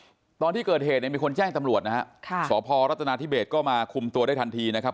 เพราะที่เกิดเหตุมีคนแจ้งตำรวจนะครับสพรัฐนาธิเบศก็มาคุมตัวได้ทันทีนะครับ